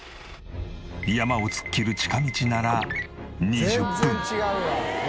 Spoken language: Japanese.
山を突っ切る近道なら２０分。